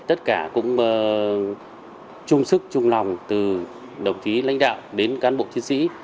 tất cả cũng chung sức chung lòng từ đồng chí lãnh đạo đến cán bộ chiến sĩ